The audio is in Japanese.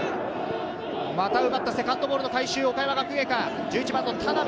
また奪ったセカンドボールの回収、岡山学芸館・田邉。